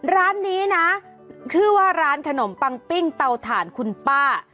ร้านนี้นะชื่อว่าร้านขนมปังปิ้งเตาถ่านคุณป้า